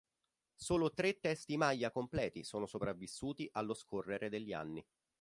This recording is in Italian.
Solo tre testi maya completi sono sopravvissuti allo scorrere degli anni.